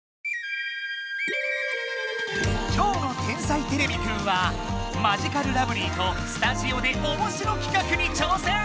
今日の「天才てれびくん」はマヂカルラブリーとスタジオでおもしろ企画に挑戦！